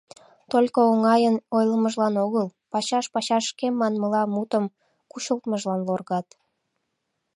Только оҥайын ойлымыжлан огыл, пачаш-пачаш «шке манмыла» мутым кучылтмыжлан лоргат.